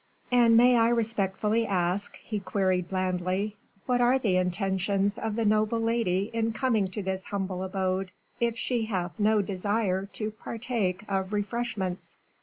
"And may I respectfully ask," he queried blandly, "what are the intentions of the noble lady in coming to this humble abode, if she hath no desire to partake of refreshments?"